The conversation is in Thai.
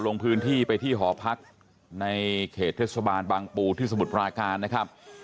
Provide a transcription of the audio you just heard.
ลงพื้นที่ไปที่หอพักในเขตเทศบาลบางปูที่สมุทรปราการนะครับ